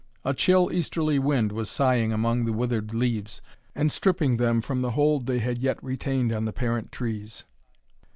A chill easterly wind was sighing among the withered leaves, and stripping them from the hold they had yet retained on the parent trees.